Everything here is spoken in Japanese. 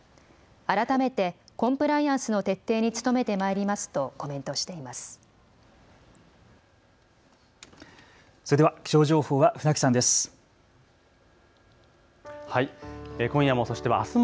改めてコンプライアンスの徹底に努めてまいりますとコメントしています。